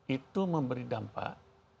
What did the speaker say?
itu memberi dampak